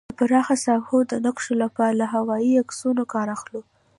د پراخه ساحو د نقشو لپاره له هوايي عکسونو کار اخلو